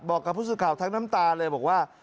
บอกกับพูดสิทธิ์ข่าวทางน้ำตาเลยบอกว่า